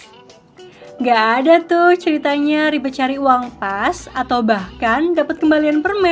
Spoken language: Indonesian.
tidak ada tuh ceritanya ribet cari uang pas atau bahkan dapat kembalian permen